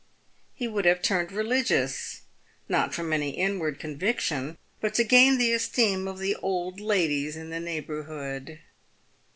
He would have turned religious, not from any inward conviction, but to gain the esteem of the old ladies in the neighbourhood.